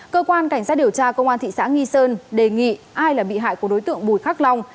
cơ quan cảnh sát điều tra công an thị xã nghi sơn đề nghị ai là bị hại của đối tượng bùi khắc long